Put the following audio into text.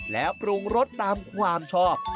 แล้วปรุงรสตามความชอบ